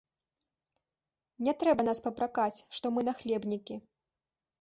Не трэба нас папракаць, што мы нахлебнікі.